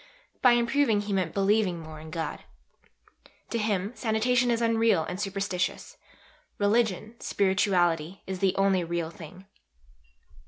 By improving he meant Believing more in God. To him sanitation is unreal and superstitious; religion, spirituality, is the only real thing."